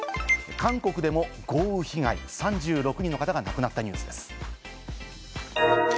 韓国でも豪雨被害、３６人の方が亡くなったニュースです。